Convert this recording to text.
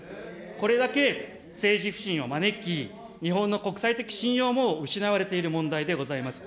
これだけ政治不信を招き、日本の国際的信用も失われている問題でございます。